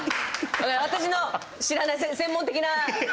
私の知らない専門的な電池？